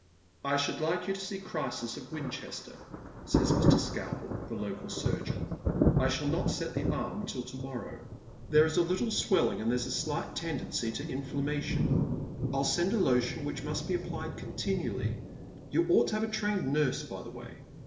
•' I should like you to se« Kiysis. of Winchester," says Mr. Skalpel, the local surgeon. " I shall not set the arm tiU to 230 Dead Men's Shoes. moiTOW. There is a little swelling, and there's a slight tendency to inflammation. I'U send a lotion, which must be applied con tinually. You ought to have a trained nurse, by the way."